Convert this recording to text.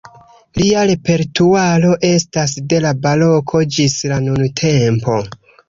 Lia repertuaro estas de la baroko ĝis la nuntempo.